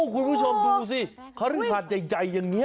คุณผู้ชมดูสิคารึหาดใจอย่างนี้